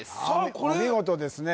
これお見事ですね